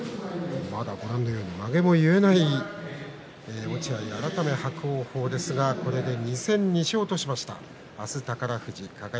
まだ、まげも結えない落合改め伯桜鵬と２戦２勝としました。